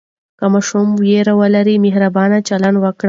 که ماشوم ویره لري، مهربانه چلند وکړئ.